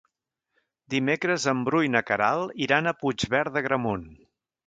Dimecres en Bru i na Queralt iran a Puigverd d'Agramunt.